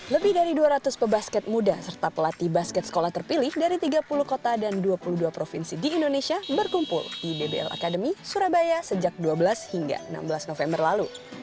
lebih dari dua ratus pebasket muda serta pelatih basket sekolah terpilih dari tiga puluh kota dan dua puluh dua provinsi di indonesia berkumpul di dbl academy surabaya sejak dua belas hingga enam belas november lalu